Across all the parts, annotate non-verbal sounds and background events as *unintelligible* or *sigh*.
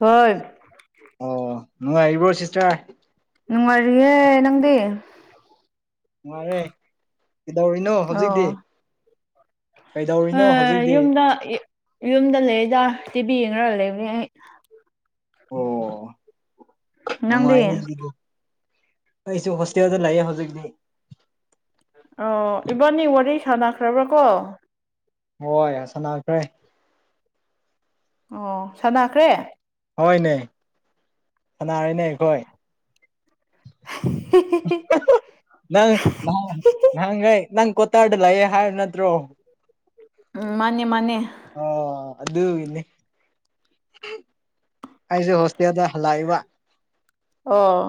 ꯍꯣꯏ ꯑꯣ ꯅꯨꯡꯉꯥꯏꯔꯤꯕ꯭ꯔꯣ ꯁꯤꯁꯇꯔ ꯅꯨꯡꯉꯥꯏꯔꯤꯌꯦ ꯅꯪꯗꯤ ꯅꯨꯡꯉꯥꯏꯔꯦ ꯀꯩꯗꯧꯔꯤꯅꯣ ꯍꯧꯖꯤꯛꯇꯤ ꯑꯣ ꯀꯩꯗꯧꯔꯤꯅꯣ ꯍꯧꯖꯤꯛꯇꯤ *unintelligible* ꯌꯨꯝꯗ ꯂꯩꯔꯤꯗ ꯇꯤ ꯚꯤ ꯌꯦꯡꯔꯒ ꯂꯩꯕꯅꯦ ꯑꯩ ꯑꯣ ꯅꯪꯗꯤ ꯅꯨꯡꯉꯥꯏꯅꯦ ꯑꯗꯨꯗꯤꯀꯣ ꯑꯩꯁꯨ ꯍꯣꯁꯇꯦꯜꯗ ꯂꯩꯌꯦ ꯍꯧꯖꯤꯛꯗꯤ ꯑꯣ ꯏꯕꯥꯅꯤ ꯋꯥꯔꯤ ꯁꯥꯟꯅꯈ꯭ꯔꯥꯕ ꯀꯣ ꯍꯣꯏ ꯁꯥꯟꯅꯈ꯭ꯔꯦ ꯑꯣ ꯁꯥꯟꯅꯈ꯭ꯔꯦ ꯍꯣꯏꯅꯦ ꯁꯅꯥꯔꯦꯅꯦ ꯑꯩꯈꯣꯏ ꯅꯪ ꯅꯍꯥꯟꯒꯩ ꯅꯪ ꯀꯣꯇꯔꯗ ꯂꯩꯌꯦ ꯍꯥꯏꯕ ꯅꯠꯇ꯭ꯔꯣ ꯎꯝ ꯃꯥꯅꯦ ꯃꯥꯅꯦ ꯑꯣ ꯑꯗꯨꯒꯤꯅꯦ ꯑꯩꯁꯨ ꯍꯣꯁꯇꯦꯜꯗ ꯂꯩꯕ ꯑꯣ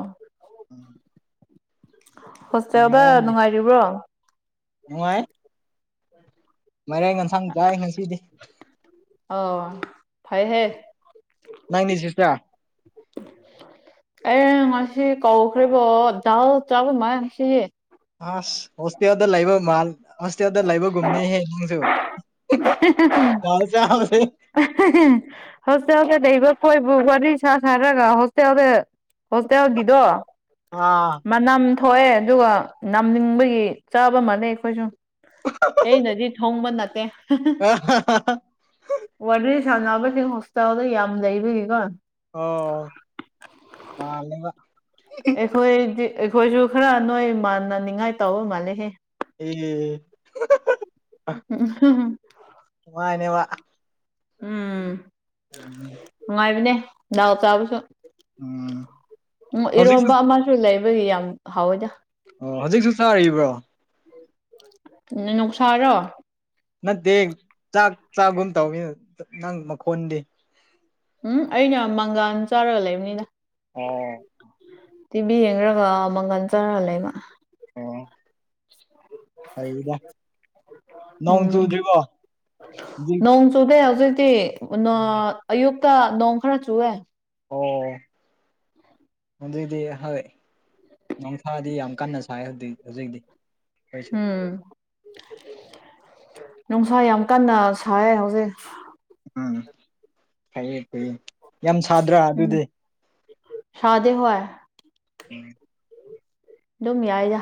ꯍꯣꯁꯇꯦꯜꯗ ꯉꯔꯥꯡꯒꯤ ꯅꯨꯡꯉꯥꯏꯔꯤꯕ꯭ꯔꯣ ꯅꯨꯡꯉꯥꯏ ꯃꯥꯏꯔꯦꯡ ꯌꯦꯟꯁꯥꯡ ꯆꯥꯏ ꯉꯁꯤꯗꯤ ꯑꯣ ꯐꯩꯍꯦ ꯅꯪꯗꯤ ꯁꯤꯁꯇꯔ ꯑꯩ ꯉꯁꯤ ꯀꯧꯈ꯭ꯔꯦꯕꯣ ꯗꯥꯜ ꯆꯥꯕ ꯃꯥꯂꯦ ꯉꯁꯤꯗꯤ ꯑꯁ ꯍꯣꯁꯇꯦꯜꯗ ꯂꯩꯕ ꯃꯥꯟ ꯍꯣꯁꯇꯦꯜꯗ ꯂꯩꯕꯒꯨꯝꯅꯤꯍꯦ ꯅꯪꯁꯨ ꯗꯥꯜ ꯆꯥꯕꯁꯦ ꯍꯣꯁꯇꯦꯜꯗ ꯂꯩꯕ ꯈꯣꯏꯕꯨ ꯋꯥꯔꯤ ꯁꯥ ꯁꯥꯔꯒ ꯍꯣꯁꯇꯦꯜꯗ ꯍꯣꯁꯇꯦꯜꯒꯤꯗꯣ ꯑꯥ ꯃꯅꯝ ꯊꯣꯛꯑꯦ ꯑꯗꯨꯒ ꯅꯝꯅꯤꯡꯕꯒꯤ ꯆꯥꯕ ꯃꯥꯜꯂꯦ ꯑꯩꯈꯣꯏꯁꯨ ꯑꯩꯅꯗꯤ ꯊꯣꯡꯕ ꯅꯠꯇꯦ *unintelligible* ꯋꯥꯔꯤ ꯁꯥꯟꯅꯕꯁꯤꯡ ꯍꯣꯁꯇꯦꯜꯗ ꯌꯥꯝ ꯂꯩꯕꯒꯤꯀꯣ ꯑꯣ ꯃꯥꯜꯂꯦꯕ ꯑꯩꯈꯣꯏꯗꯤ ꯑꯩꯈꯣꯏꯁꯨ ꯈꯔ ꯅꯣꯏ ꯃꯥꯟꯅꯅꯤꯡꯉꯥꯏ ꯇꯧꯕ ꯃꯥꯜꯂꯦꯍꯦ ꯑꯦ *unintelligible* *unintelligible* ꯋꯥꯏꯅꯦꯕ ꯎꯝ *inaudible* ꯅꯨꯡꯉꯥꯏꯕꯅꯦ ꯗꯥꯜ ꯆꯥꯕꯁꯨ ꯎꯝ ꯎꯝ ꯍꯧꯖꯤꯛꯁꯨ ꯏꯔꯣꯝꯕ ꯑꯃ ꯂꯩꯕꯒꯤ ꯌꯥꯝ ꯍꯥꯎꯋꯤꯗ ꯑꯣ ꯍꯧꯖꯤꯛꯁꯨ ꯆꯥꯔꯤꯕ꯭ꯔꯣ ꯅꯨꯡꯁꯥꯔꯣ ꯅꯠꯇꯦ ꯆꯥꯛ ꯆꯥꯒꯨꯝ ꯇꯧꯋꯤꯅ ꯅꯪ ꯃꯈꯣꯟꯗꯤ ꯍꯨꯡ ꯑꯩꯅ ꯃꯪꯒꯥꯟ ꯆꯥꯔꯒ ꯂꯩꯕꯅꯤꯅ ꯑꯣ ꯇꯤ ꯚꯤ ꯌꯦꯡꯔꯒ ꯃꯪꯒꯜ ꯆꯥꯔꯛ ꯂꯩꯕ ꯑꯣ ꯐꯩꯗ ꯅꯣꯡ ꯎꯝ ꯆꯨꯗ꯭ꯔꯤꯕꯣ ꯍꯨꯖꯤꯛ ꯅꯣꯡ ꯆꯨꯗꯦ ꯍꯧꯖꯤꯛꯇꯤ ꯅꯣ ꯑꯌꯨꯛꯇ ꯅꯣꯡ ꯈꯔ ꯆꯨꯏꯑꯦ ꯑꯣ ꯑꯗꯨꯏꯗꯤ ꯍꯣꯏ ꯅꯣꯡꯁꯥꯗꯤ ꯌꯥꯝ ꯀꯟꯅ ꯁꯥꯏ *unintelligible* ꯍꯧꯖꯤꯛꯇꯤ ꯑꯩꯈꯣꯏꯁꯨ ꯎꯝ ꯅꯨꯡꯁꯥ ꯌꯥꯝ ꯀꯟꯅ ꯁꯥꯏ ꯍꯧꯖꯤꯛ ꯎꯝ ꯐꯩꯌꯦ ꯐꯩꯌꯦ ꯌꯥꯝ ꯁꯥꯗ꯭ꯔꯥ ꯎꯝ ꯑꯗꯨꯗꯤ ꯁꯥꯗꯦ ꯍꯣꯏ *unintelligible* *inaudible* ꯗꯨꯝ ꯌꯥꯏꯗ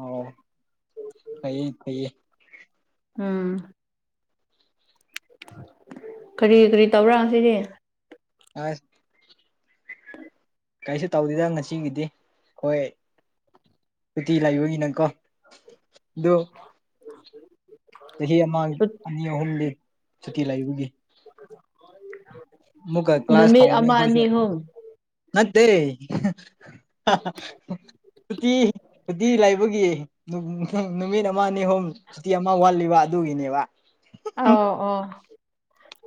ꯑꯣ ꯐꯩꯌꯦ ꯐꯩꯌꯦ ꯎꯝ ꯀꯔꯤ ꯀꯔꯤ ꯇꯧꯕ꯭ꯔ ꯉꯁꯤꯗꯤ *unintelligible* ꯀꯩꯁꯨ ꯇꯧꯗꯦꯗ ꯉꯁꯤꯒꯤꯗꯤ ꯈꯣꯏ ꯁꯨꯇꯤ ꯂꯩꯕꯒꯤꯅꯀꯣ ꯗꯨ ꯆꯍꯤ ꯑꯃ ꯑꯅꯤ ꯑꯍꯨꯝ ꯗꯤ ꯁꯨꯇꯤ ꯂꯩꯕꯒꯤ ꯃꯨꯛꯀ ꯀ꯭ꯂꯥꯁ ꯅꯨꯃꯤꯠ ꯍꯧꯅꯤ ꯑꯃ ꯑꯩꯈꯣꯏꯁꯨ ꯑꯅꯤ ꯑꯍꯨꯝ ꯃꯠꯇꯦ *unintelligible* ꯁꯨꯇꯤ ꯁꯨꯇꯤ ꯂꯩꯕꯒꯤ ꯅꯨ-ꯅꯨ-ꯅꯨꯃꯤꯠ ꯑꯃ ꯑꯅꯤ ꯑꯍꯨꯝ ꯁꯨꯇꯤ ꯑꯃ ꯋꯥꯠꯂꯤꯕ ꯑꯗꯨꯒꯤꯅꯦꯕ ꯑꯧ ꯑꯣ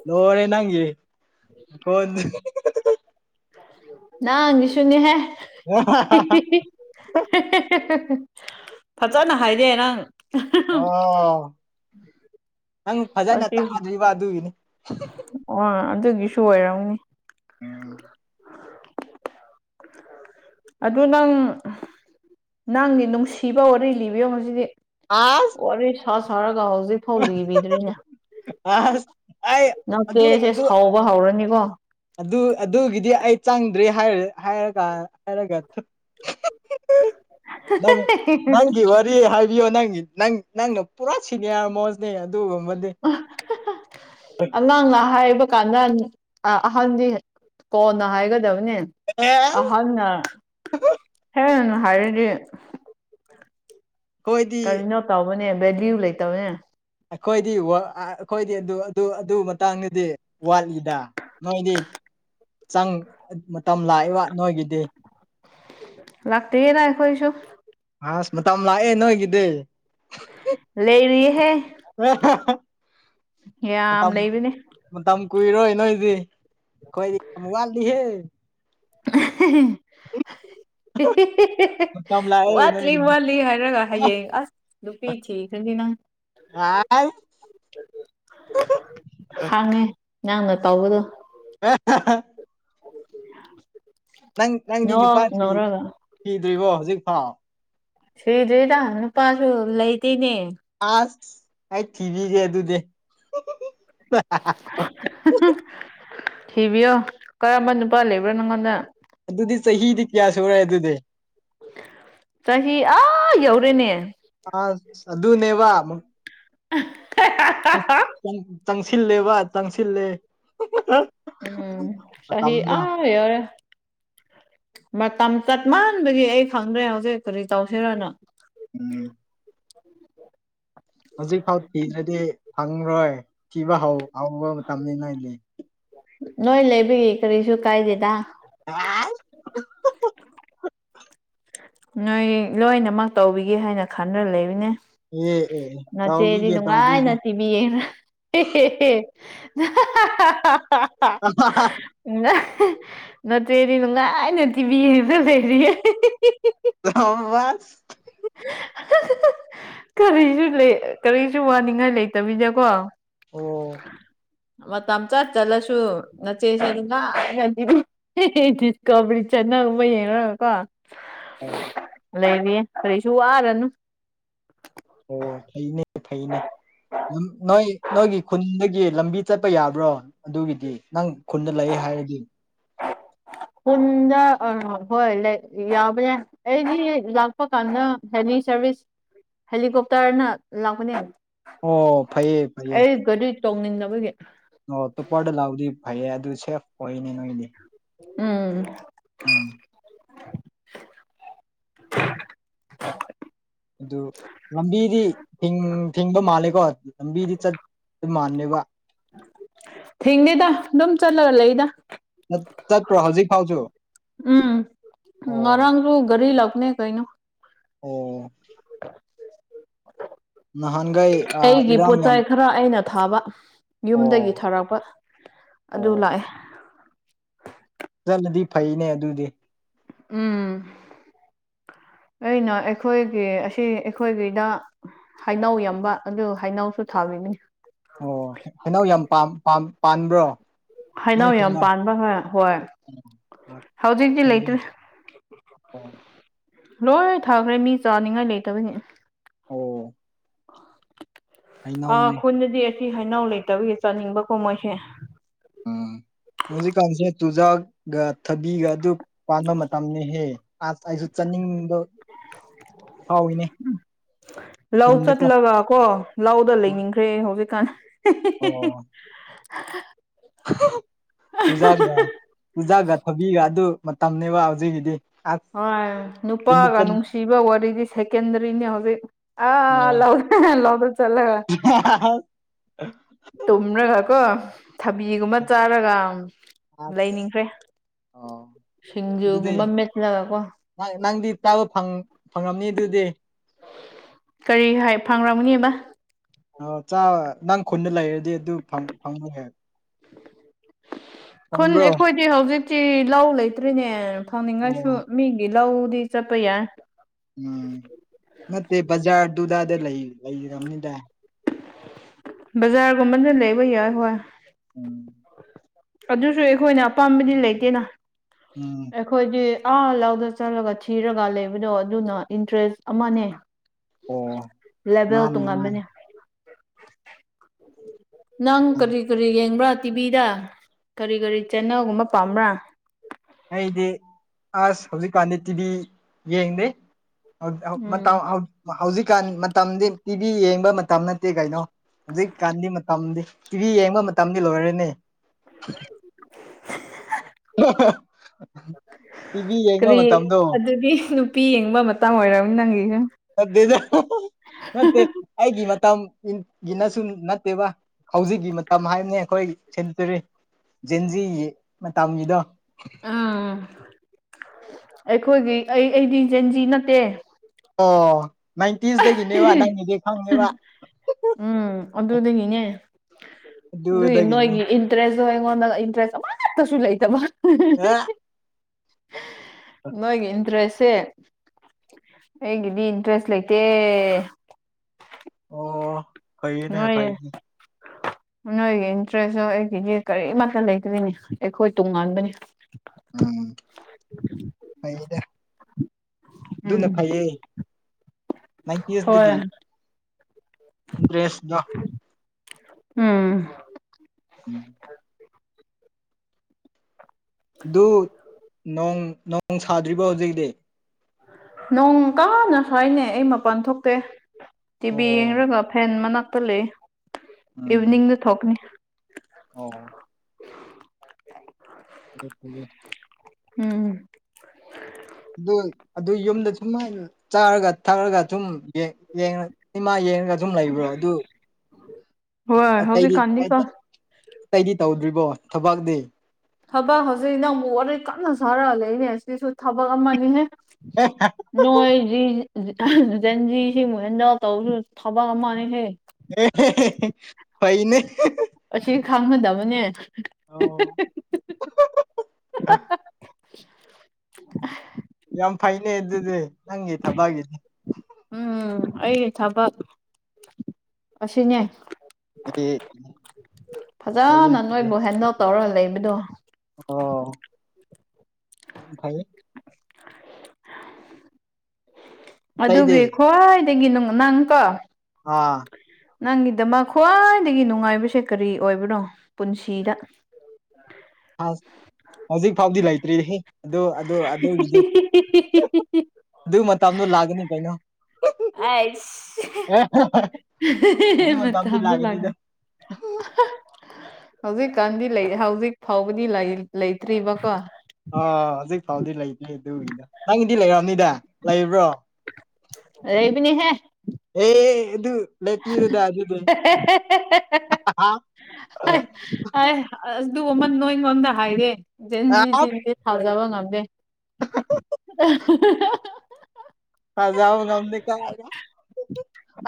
ꯂꯣꯏꯔꯦ ꯅꯪꯒꯤ ꯈꯣꯟ *unintelligible* ꯅꯪꯒꯤꯁꯨꯅꯤꯍꯦ *unintelligible* *unintelligible* ꯐꯖꯅ ꯍꯥꯏꯔꯦ ꯅꯪ ꯑꯣ ꯅꯪ ꯐꯖꯅ ꯇꯥꯗ꯭ꯔꯤꯕ ꯑꯗꯨꯒꯤꯅꯤ ꯑꯣ ꯑꯗꯨꯒꯤꯁꯨ ꯑꯣꯏꯔꯝꯅꯤ ꯑꯗꯨ ꯅꯪ ꯅꯪꯒꯤ ꯅꯨꯡꯁꯤꯕ ꯋꯥꯔꯤ ꯂꯤꯕꯤꯌꯣ ꯉꯁꯤꯗꯤ ꯑꯥꯁ ꯋꯥꯔꯤ ꯁꯥ ꯁꯥꯔꯒ ꯍꯧꯖꯤꯛꯐꯥꯎ ꯂꯤꯕꯤꯗ꯭ꯔꯤꯅꯦ ꯑꯁ ꯑꯩ ꯑꯗꯨ ꯅꯆꯦꯁꯦ ꯑꯗꯨ ꯁꯥꯎꯕ ꯍꯧꯔꯅꯤꯀꯣ ꯑꯗꯨ ꯑꯗꯨꯒꯤꯗꯤ ꯑꯩ ꯆꯪꯗ꯭ꯔꯤ ꯍꯥꯏꯔ ꯍꯥꯏꯔꯒ ꯍꯥꯏꯔꯒ *unintelligible* *unintelligible* ꯅ ꯅꯪꯒꯤ ꯋꯥꯔꯤ ꯀꯔꯤ ꯍꯥꯏꯕꯤꯌꯣ ꯅꯪꯒꯤ ꯅꯪ ꯅꯪꯅ ꯄꯨꯔꯥ ꯁꯤꯅꯤꯌꯥꯔ ꯃꯣꯖꯅꯦ ꯑꯗꯨꯒꯨꯝꯕꯗꯤ ꯑꯣ ꯍꯥꯍꯥ ꯑꯉꯥꯡꯅ ꯍꯥꯏꯕ ꯀꯥꯟꯗ ꯑꯥ ꯑꯍꯟꯗꯤ ꯀꯣꯟꯅ ꯍꯥꯏꯒꯗꯕꯅꯦ ꯑꯦꯁ ꯑꯍꯟꯅ ꯍꯦꯟꯅ ꯍꯥꯏꯔꯗꯤ ꯑꯩꯈꯣꯏꯗꯤ ꯀꯔꯤꯅꯣ ꯇꯧꯕꯅꯦ ꯕꯦꯂ꯭ꯌꯨ ꯂꯩꯇꯕꯅꯦ ꯑꯩꯈꯣꯏꯗꯤ ꯋꯥ ꯑꯥ ꯑꯩꯈꯣꯏꯗꯤ ꯑꯗꯨ ꯑꯗꯨ ꯑꯗꯨ ꯃꯇꯥꯡꯗꯗꯤ ꯋꯥꯠꯂꯤꯗ ꯅꯣꯏꯗꯤ ꯆꯪ ꯃꯇꯝ ꯂꯥꯛꯑꯦꯕ ꯅꯣꯏꯒꯤꯗꯤ ꯂꯥꯛꯇꯔ꯭ꯤꯌꯦꯗ ꯑꯩꯈꯣꯏꯁꯨ ꯑꯥꯁ ꯃꯇꯝ ꯂꯥꯑꯦ ꯅꯣꯢꯒꯤꯗꯤ ꯂꯩꯔꯤꯌꯦꯍꯦ ꯑꯥꯍꯥꯍꯥ ꯌꯥꯝ ꯃꯇꯝ ꯂꯩꯕꯅꯦ ꯃꯇꯝ ꯀꯨꯏꯔꯣꯏ ꯅꯣꯏꯗꯤ ꯈꯣꯢꯗꯤ ꯌꯥꯝ ꯋꯥꯠꯂꯤꯍꯦ *unintelligible* *unintelligible* *unintelligible* ꯃꯇꯝ ꯂꯥꯛꯑꯦ ꯋꯥꯠꯇ꯭ꯔꯤ ꯅꯣꯏꯒꯤꯗꯤ ꯋꯥꯠꯂꯤ ꯍꯥꯏꯔꯒ ꯍꯌꯦꯡ ꯑꯁ ꯅꯨꯄꯤ ꯊꯤꯈ꯭ꯔꯅꯤ ꯅꯪ ꯑꯥꯢ ꯍꯥꯡꯉꯦ ꯅꯪꯅ ꯇꯧꯕꯗꯣ *unintelligible* ꯅꯪ ꯅꯪꯗꯤ ꯅꯨꯄꯥ ꯅꯣꯛ ꯊꯤ ꯅꯧꯔꯒ ꯊꯤꯗ꯭ꯔꯤꯕꯣ ꯍꯧꯖꯤꯛꯐꯥꯎ ꯊꯔꯤꯗ꯭ꯔꯤꯗ ꯅꯨꯄꯥꯁꯨ ꯂꯩꯇꯦꯅꯦ ꯑꯥꯁ ꯑꯩ ꯊꯤꯕꯤꯒꯦ ꯑꯗꯨꯗꯤ ꯊꯤꯕꯤꯌꯣ ꯀꯔꯝꯕ ꯅꯨꯄꯥ ꯂꯩꯕ꯭ꯔ ꯅꯪꯉꯣꯟꯗ ꯑꯗꯨꯗꯤ ꯆꯍꯤꯗꯤ ꯀꯌꯥ ꯁꯨꯔꯦ ꯑꯗꯨꯗꯤ ꯆꯍꯤ ꯑꯥ ꯌꯧꯔꯦꯅꯦ ꯑꯥꯁ ꯑꯗꯨꯅꯦ ꯋꯥ *unintelligible* ꯑꯁ ꯆꯪ ꯆꯪꯁꯤꯜꯂꯦꯕ ꯇꯪꯁꯤꯜꯂꯦ ꯎꯝ ꯆꯍꯤ ꯑꯥ ꯌꯧꯔꯦ ꯃꯇꯝ ꯆꯠꯃꯥꯟꯕꯒꯤ ꯑꯩ ꯈꯪꯗ꯭ꯔꯦ ꯍꯧꯖꯤꯛ ꯀꯔꯤ ꯇꯧꯁꯦꯔꯥꯅ ꯎꯝ ꯍꯧꯖꯤꯛꯐꯥꯎ ꯊꯤꯗ꯭ꯔꯗꯤ ꯐꯪꯔꯣꯏ ꯊꯤꯕ ꯍꯧ ꯍꯧꯕ ꯃꯇꯝꯅꯤ ꯅꯣꯢꯗꯤ ꯅꯣꯏ ꯂꯩꯕꯒꯤ ꯀꯔꯤꯁꯨ ꯀꯥꯏꯗꯦꯗ ꯑꯥꯢ ꯅꯣꯏ ꯂꯣꯏꯅꯃꯛ ꯇꯧꯕꯤꯒꯦ ꯍꯥꯏꯅ ꯈꯟꯔ ꯂꯩꯕꯅꯦ ꯑꯦ ꯑꯦ ꯅꯆꯦꯗꯤ ꯇꯧꯕꯤꯒꯦ ꯅꯨꯉꯥꯏꯅ ꯇꯧꯕꯤꯒꯦ ꯇꯤ ꯃꯤ ꯌꯦꯡꯔ *unintelligible* ꯅꯆꯦꯗꯤ ꯅꯨꯉꯥꯏꯅ ꯇꯤꯚꯤ ꯌꯦꯡꯔ ꯂꯩꯔꯤꯌꯦ *unintelligible* ꯀꯔꯤꯁꯨ ꯂꯩ ꯀꯔꯤꯁꯨ ꯋꯥꯅꯤꯡꯉꯥꯏ ꯂꯩꯇꯕꯤꯗꯀꯣ ꯑꯣ ꯃꯇꯝ ꯆꯠ ꯆꯠꯂꯁꯨ ꯅꯆꯦꯁꯦ ꯅꯨꯉꯥꯢꯅ ꯇꯤꯚꯤ ꯗꯤꯁꯀꯣꯚꯔꯤ ꯆꯦꯅꯦꯜꯒꯨꯝꯕ ꯌꯦꯡꯔꯒ ꯀꯣ ꯂꯩꯔꯤꯌꯦ ꯀꯔꯤꯁꯨ ꯋꯥꯔꯅꯨ ꯑꯣ ꯐꯩꯅꯦ ꯐꯩꯅꯦ ꯅꯝ ꯅꯣꯏ ꯅꯣꯏꯒꯤ ꯈꯨꯟꯗꯒꯤ ꯂꯝꯕꯤ ꯆꯠꯄ ꯌꯥꯕ꯭ꯔꯣ ꯑꯗꯨꯒꯤꯗꯤ ꯅꯪ ꯈꯨꯟꯗ ꯂꯩꯌꯦ ꯍꯥꯏꯔꯗꯤ ꯈꯨꯟꯗ ꯑꯥ ꯍꯣꯏ ꯂꯩ ꯌꯥꯕꯅꯦ ꯑꯩꯗꯤ ꯂꯥꯛꯄ ꯀꯥꯟꯗ ꯍꯦꯂꯤ ꯁꯥꯔꯚꯤꯁ ꯍꯦꯂꯤꯀꯣꯞꯇꯔꯅ ꯂꯥꯛꯄꯅꯦ ꯑꯣ ꯐꯩꯌꯦ ꯐꯩꯌꯦ ꯑꯩ ꯒꯥꯔꯤ ꯇꯣꯡꯅꯤꯡꯅꯕꯒꯤ ꯑꯣ ꯇꯣꯞꯄꯔꯗ ꯂꯥꯎꯗꯤ ꯐꯩꯌꯦ ꯑꯗꯨ ꯁꯦꯐ ꯑꯣꯏꯅꯦ ꯅꯣꯏꯒꯤꯗꯤ ꯎꯝ ꯎꯝ ꯑꯗꯨ ꯂꯝꯕꯤꯗꯤ ꯊꯤꯡꯕ ꯃꯥꯜꯂꯦꯀꯣ ꯂꯝꯕꯤꯗꯤ ꯆꯠ ꯃꯥꯅꯦꯕ꯫ ꯊꯤꯡꯗꯦꯗ ꯑꯗꯨꯝ ꯆꯠꯂꯒ ꯂꯩꯗ꯫ ꯆꯠꯄ꯭ꯔꯣ ꯍꯧꯖꯤꯛ ꯐꯥꯎꯖꯨ? ꯎꯝ ꯉꯔꯥꯡꯖꯨ ꯒꯥꯔꯤ ꯂꯥꯛꯄꯅꯦ ꯀꯩꯅꯣ꯫ ꯑꯣ ꯅꯍꯥꯟꯈꯩ ꯑꯩꯒꯤ ꯏꯔꯥꯡ ꯌꯥꯝ ꯄꯣꯠꯆꯩ ꯈꯔ ꯑꯩꯅ ꯊꯥꯕ ꯌꯨꯝꯗꯒꯤ ꯑꯣ ꯊꯥꯔꯛꯄ ꯑꯗꯨ ꯑꯣ ꯂꯥꯛꯑꯦ꯫ ꯆꯜꯂꯗꯤ ꯐꯩꯅꯦ ꯑꯗꯨꯗꯤ꯫ ꯎꯝ ꯑꯩꯅ ꯑꯩꯈꯣꯏꯒꯤ ꯑꯁꯤ ꯑꯩꯈꯣꯏꯒꯤꯗ, ꯍꯩꯅꯧ ꯌꯥꯝꯕ ꯑꯗꯨ ꯍꯩꯅꯧꯁꯨ ꯊꯥꯕꯤꯕꯅꯤ꯫ ꯑꯣ ꯍꯩꯅꯧ ꯌꯥꯝ ꯄꯥꯟ ꯄꯥꯟ ꯄꯥꯟꯕ꯭ꯔꯣ? ꯅꯣꯏ ꯍꯩꯅꯧ ꯌꯥꯝ ꯈꯨꯟꯗ ꯄꯥꯟꯕ ꯍꯣꯏ ꯍꯣꯏ ꯍꯧꯖꯤꯛꯇꯤ ꯐꯩꯅꯦ ꯂꯩꯇ꯭ꯔꯦ꯫ ꯑꯣ ꯂꯣꯏ ꯊꯥꯈ꯭ꯔꯦ ꯃꯤ ꯆꯥꯅꯤꯡꯉꯥꯏ ꯂꯩꯇꯕꯅꯤ꯫ ꯑꯣ ꯑꯥ ꯍꯩꯅꯧꯅꯦ ꯈꯨꯟꯗꯗꯤ ꯑꯁꯤ ꯍꯩꯅꯧ ꯂꯩꯇꯕꯒꯤ ꯆꯥꯅꯤꯡꯕꯀꯣ ꯃꯣꯏꯁꯦ꯫ ꯎꯝ ꯍꯧꯖꯤꯛꯀꯥꯟꯁꯦ ꯇꯨꯖꯥꯛꯒ ꯊꯕꯤꯒ ꯑꯗꯨ ꯄꯥꯟꯕ ꯃꯇꯝꯅꯤꯍꯦ ꯑꯁ ꯑꯩꯁꯨ ꯆꯅꯤꯡꯕ꯫ ꯂꯧ ꯈꯨꯟꯗꯀꯣ ꯆꯠꯂꯒ ꯀꯣ꯫ ꯂꯧꯗ ꯂꯩꯅꯤꯡꯈ꯭ꯔꯦ ꯍꯧꯖꯤꯛꯀꯥꯟ꯫ ꯑꯣ ꯆꯨꯖꯥꯛ ꯆꯨꯖꯥꯛꯒ ꯊꯕꯤꯒꯗꯨ ꯃꯇꯝꯅꯦꯕ ꯍꯧꯖꯤꯛꯀꯤꯗꯤ꯫ ꯑꯁ ꯍꯣꯏ ꯈꯨꯟꯗ ꯅꯨꯄꯥꯒ ꯆꯠ ꯅꯨꯡꯁꯤꯕ ꯋꯥꯔꯤꯗꯤ ꯁꯦꯀꯦꯟꯗꯔꯤꯅꯤ ꯍꯧꯖꯤꯛ ꯑꯥ ꯑꯣ ꯂꯥꯎ *unintelligible* ꯂꯧꯗ ꯆꯠꯂꯒ *unintelligible* ꯇꯨꯝꯔꯒ ꯀꯣ ꯊꯕꯤꯒꯨꯝꯕ ꯆꯥꯔꯒ ꯑꯁ ꯂꯩꯅꯤꯡꯈ꯭ꯔꯦ꯫ ꯑꯗꯨꯗꯤ ꯁꯤꯡꯖꯨꯒꯨꯝꯕ ꯃꯦꯠꯂꯒꯀꯣ꯫ ꯅꯪꯗꯤ ꯆꯥꯕ ꯐꯪ ꯐꯪꯉꯝꯅꯤ ꯑꯗꯨꯗꯤ꯫ ꯀꯔꯤ ꯍꯥꯏ ꯐꯪꯔꯝꯒꯅꯤꯕ꯫ ꯑꯥ ꯆꯥꯕ ꯅꯪ ꯈꯨꯟꯅ ꯂꯩꯔꯗꯤ ꯑꯗꯨ ꯐꯪ *unintelligible* ꯈꯨꯟ ꯐꯪꯕ꯭ꯔꯣ ꯑꯩꯈꯣꯏꯗꯤ ꯍꯧꯖꯤꯛꯇꯤ ꯂꯧ ꯂꯩꯇ꯭ꯔꯦꯅꯦ꯫ ꯁꯥꯎꯅꯤꯡꯉꯁꯨ ꯑꯣ ꯃꯤꯒꯤ ꯂꯧꯗꯤ ꯆꯠꯄ ꯌꯥꯏ꯫ ꯅꯠꯇꯦ ꯕꯖꯥꯔ ꯗꯨꯗꯥꯗ ꯂꯩꯔꯝꯅꯤꯗ꯫ ꯕꯖꯥꯔꯒꯨꯝꯕꯅ ꯂꯩꯕ ꯌꯥꯏ ꯍꯣꯏ꯫ ꯎꯝ ꯑꯗꯨꯁꯨ ꯑꯩꯈꯣꯏꯅ ꯑꯄꯥꯝꯕꯗꯤ ꯂꯩꯇꯦꯅ꯫ ꯎꯝ ꯑꯩꯈꯣꯏꯗꯤ ꯑꯥ ꯂꯧꯗ ꯆꯠꯂꯒ ꯊꯤꯔꯒ ꯂꯩꯕꯗꯣ ꯑꯗꯨꯅ ꯏꯟꯇꯔꯦꯁ ꯑꯃꯅꯦ꯫ ꯑꯣ ꯂꯦꯕꯦꯜ ꯃꯥꯅꯤ ꯃꯥꯅꯤ ꯇꯣꯡꯉꯥꯟꯕꯅꯤ꯫ ꯅꯪ ꯀꯔꯤ ꯀꯔꯤ ꯌꯦꯡꯕ꯭ꯔꯥ ꯇꯤꯚꯤꯗ? ꯀꯔꯤ ꯀꯔꯤ ꯆꯦꯟꯅꯦꯜꯒꯨꯝꯕ ꯄꯥꯝꯕ꯭ꯔꯥ? ꯑꯩꯗꯤ ꯑꯁ ꯍꯧꯖꯤꯛꯀꯥꯟꯗꯤ ꯇꯤꯚꯤ ꯌꯦꯡꯗꯦ꯫ ꯍꯧ ꯎꯝ ꯃꯇꯝ ꯍꯧꯖꯤꯛꯀꯥꯟ ꯃꯇꯝꯗꯤ ꯇꯤꯚꯤ ꯌꯦꯡꯕ ꯃꯇꯝ ꯅꯠꯇꯦ ꯀꯩꯅꯣ ꯍꯧꯖꯤꯛꯀꯥꯟꯗꯤ ꯃꯇꯝꯗꯤ ꯇꯤꯚꯤ ꯌꯦꯡꯕ ꯃꯇꯝꯗꯤ ꯂꯣꯏꯔꯦꯅꯦ *unintelligible* ꯇꯤꯚꯤ ꯌꯦꯡꯕ ꯀꯔꯤ ꯃꯇꯝꯗꯣ ꯑꯗꯨꯗꯤ ꯅꯨꯄꯤ ꯌꯦꯡꯕ ꯃꯇꯝ ꯑꯣꯏꯔꯝꯅꯤ ꯅꯪꯒꯤꯁꯨꯨꯝ ꯅꯠꯇꯦꯗ ꯅꯠꯇꯦ ꯑꯩꯒꯤ ꯃꯇꯝꯒꯤꯅ ꯁꯨ ꯅꯠꯇꯦꯕ ꯍꯧꯖꯤꯛꯀꯤ ꯃꯇꯝ ꯍꯥꯏꯕꯅꯦ ꯑꯩꯈꯣꯏ ꯁꯦꯟꯆꯨꯔꯤ ꯖꯦꯟꯖꯤꯒꯤ ꯃꯇꯝꯒꯤꯗꯣ ꯑꯥ ꯑꯩꯈꯣꯏꯒꯤ ꯑꯩ ꯑꯩꯗꯤ ꯖꯦꯟꯖꯤ ꯅꯠꯇꯦ ꯑꯣ ꯅꯥꯏꯟꯇꯤꯁꯇꯒꯤꯅꯦꯕ ꯅꯪꯒꯤꯗꯤ ꯈꯪꯉꯦꯕ ꯎꯝ ꯑꯗꯨꯗꯒꯤꯅꯦ ꯑꯗꯨꯗꯒꯤꯅꯤ ꯇꯔꯦꯁꯇꯣ ꯑꯩꯉꯣꯟꯗ ꯏꯟꯇꯔꯦꯁ ꯑꯃꯇꯥꯁꯨ ꯂꯩꯇꯕ ꯑ ꯅꯣꯏꯒꯤ ꯏꯟꯇꯔꯦꯁꯁꯦ ꯑꯩꯒꯤꯗꯤ ꯏꯟꯇ꯭ꯔꯦꯁ ꯂꯩꯇꯦ ꯑꯦ ꯑꯣ ꯐꯩꯌꯦꯅꯦ *unintelligible* *inaudible* ꯅꯣꯏꯒꯤ ꯏꯟꯇꯔꯦꯁꯇꯣ ꯑꯩꯒꯤꯗꯤ ꯀꯔꯤꯃꯠꯇ ꯂꯩꯠꯔꯦꯅꯦ ꯑꯩꯈꯣꯏ ꯇꯣꯉꯥꯟꯕꯅꯦ ꯎꯝ ꯐꯩꯗ ꯎꯝ ꯑꯗꯨꯅ ꯐꯩꯌꯦ ꯍꯣꯏ ꯅꯥꯏꯟꯇꯤꯁꯇꯒꯤ ꯏꯟꯇ꯭ꯔꯦꯁꯗ ꯎꯝ ꯎꯝ ꯑꯗꯨ ꯅꯣꯡ ꯅꯣꯡ ꯁꯥꯗ꯭ꯔꯤꯕꯣ ꯍꯧꯖꯤꯛꯗꯤ ꯅꯣꯡ ꯀꯥꯅ ꯐꯩꯅꯦ ꯑꯩ ꯃꯄꯥꯟ ꯊꯣꯛꯇꯦ ꯇꯤꯚꯤ ꯑꯣ ꯌꯦꯡꯔꯒ ꯐꯦꯟ ꯃꯅꯥꯛꯇ ꯂꯩ ꯎꯝ ꯏꯚꯤꯅꯤꯡꯗ ꯊꯣꯛꯀꯅꯤ ꯑꯣ *unintelligible* ꯎꯝ ꯑꯗꯣꯏ ꯑꯗꯣ ꯌꯨꯝꯗ ꯁꯨꯝꯃꯥꯏ ꯆꯥꯔꯒ ꯊꯛꯂꯒ ꯁꯨꯝ ꯌꯦꯡ ꯁꯤꯅꯤꯃꯥ ꯌꯦꯡ ꯁꯨꯝ ꯂꯩꯕ꯭ꯔꯣ ꯑꯗꯨ ꯍꯣꯏ ꯑꯇꯩꯗꯤ ꯍꯧꯖꯤꯛꯀꯥꯟꯗꯤꯀꯣ ꯇꯩꯗꯤ ꯇꯧꯗ꯭ꯔꯤꯕꯣ ꯊꯕꯛꯗꯤ ꯊꯕꯛ ꯍꯧꯖꯤꯛ ꯅꯪꯕꯨ ꯋꯥꯔꯤ ꯀꯟꯅ ꯁꯥꯔꯑ ꯂꯩꯅꯦ ꯁꯤꯁꯨ ꯊꯕꯛ ꯑꯃꯅꯤꯍꯦ *unintelligible* ꯅꯣꯏ ꯖꯤ ꯖꯦꯟꯖꯤꯁꯤꯡꯕꯨ ꯍꯦꯟꯗꯜ ꯇꯧꯕꯁꯨ ꯊꯕꯛ ꯑꯃꯅꯤꯍꯦ *unintelligible* ꯐꯩꯅꯦ ꯑꯁꯤ ꯈꯡꯍꯟꯗꯕꯅꯦ ꯑꯣ *unintelligible* ꯌꯥꯝ ꯐꯩꯅꯦ ꯑꯗꯨꯗꯤ ꯅꯪꯒꯤ ꯊꯕꯛꯁꯤꯗꯤ ꯎꯝ ꯑꯩꯒꯤ ꯊꯕꯛ ꯑꯁꯤꯅꯦ *unintelligible* ꯐꯖꯅ ꯐꯩꯌꯦ ꯅꯣꯏꯕꯨ ꯍꯦꯟꯗꯜ ꯇꯧꯔꯒ ꯂꯩꯕꯗꯣ ꯑꯣ ꯌꯥꯝ ꯐꯩ ꯑꯇꯩꯗꯤ ꯑꯗꯨꯒꯤ ꯈ꯭ꯋꯥꯏꯗꯒꯤꯅꯨꯡ ꯅꯪ ꯀꯣ ꯑꯥ ꯅꯪꯒꯤꯗꯃꯛ ꯈ꯭ꯋꯥꯏꯗꯒꯤ ꯅꯨꯡꯉꯥꯏꯕꯁꯦ ꯀꯔꯤ ꯑꯣꯏꯕꯅꯣ ꯄꯨꯟꯁꯤꯗ ꯑꯁ ꯍꯧꯖꯤꯛ ꯐꯥꯎꯗꯤ ꯂꯩꯇ꯭ꯔꯤꯍꯦ ꯑꯗꯨ ꯑꯗꯨ ꯑꯗꯨꯒꯤꯗꯤ ꯑꯗꯨ ꯃꯇꯝꯗꯣ ꯂꯥꯛꯒꯅꯤ ꯀꯩꯅꯣ ꯑꯩꯁ ꯑꯗꯨ ꯃꯇꯝꯗꯣ ꯂꯥꯛꯒꯅꯤꯗ *unintelligible* ꯍꯧꯖꯤꯛꯀꯥꯟꯗꯤ ꯂꯩ ꯍꯧꯖꯤꯛ ꯐꯥꯎꯕꯗꯤ ꯂꯩ ꯂꯩꯇ꯭ꯔꯤꯕꯀꯣ ꯑꯥ ꯍꯧꯖꯤꯛ ꯐꯥꯎꯗꯤ ꯂꯩꯇꯦ ꯑꯗꯨꯒꯤꯗꯣ ꯅꯪꯒꯤꯗꯤ ꯂꯩꯔꯝꯅꯤꯗ ꯂꯩꯕ꯭ꯔꯣ ꯂꯩꯕꯅꯤꯍꯦ ꯑꯦ ꯑꯗꯨ ꯂꯦꯞꯄꯤꯔꯣꯗ ꯑꯗꯨꯗꯨ ꯑꯥꯢ ꯑꯥꯢ ꯑꯗꯨ ꯑꯃ ꯅꯣꯏꯉꯣꯟꯗ ꯍꯥꯏꯔꯦ ꯖꯦꯟꯖꯤꯁꯤꯡꯗꯤ ꯊꯥꯖꯕ ꯉꯝꯗꯦ ꯊꯥꯖꯕ ꯉꯝꯗꯦ ꯀꯥꯏꯅ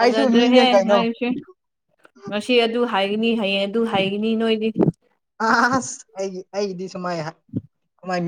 ꯑꯩꯁꯨ ꯃꯤꯅꯦ ꯀꯩꯅꯣ ꯅꯣꯏꯁꯨ ꯉꯁꯤ ꯑꯗꯨ ꯍꯥꯏꯒꯅꯤ ꯍꯌꯦꯡ ꯑꯗꯨ ꯍꯥꯏꯒꯅꯤ ꯅꯣꯏꯗꯤ ꯑꯁ ꯑꯩꯒꯤ ꯑꯩꯒꯤꯗꯤ ꯁꯨꯃꯥꯏ ꯍꯥ ꯀꯃꯥꯢ ꯃꯤ